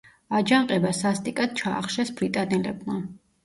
აჯანყება სასტიკად ჩაახშეს ბრიტანელებმა.